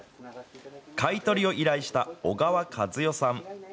買い取りを依頼した、小川和代さん。